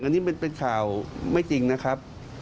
อันนี้เป็นข่าวไม่จริงนะครับ